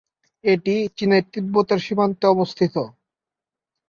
এটি চীনের তিব্বতের সীমান্তে অবস্থিত।